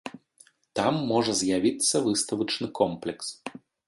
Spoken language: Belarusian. Там можа з'явіцца выставачны комплекс.